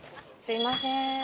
すみません。